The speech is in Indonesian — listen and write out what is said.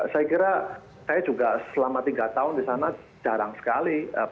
saya kira saya juga selama tiga tahun di sana jarang sekali